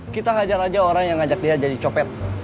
kita hajar aja orang yang ngajak dia jadi copet